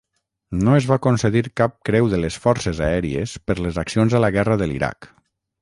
No es va concedir cap Creu de les Forces aèries per les accions a la guerra de l'Iraq.